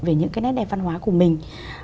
về những cái nét đẹp văn hóa của mình